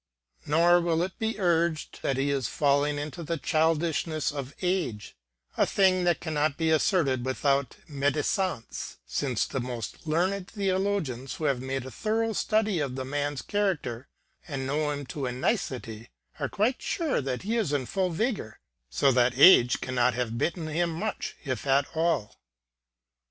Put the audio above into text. Nor will it be urged that he is falling into the childishness of age; a thing that cannot be asserted without m^disance^ since the \\ y440 LUDVIG HOLBERG most learned theologians, who have made a thorough study of the man's character, and know him to a nicety, are quite sure that he is in full vigor, so that age cannot have bitten him much if at all.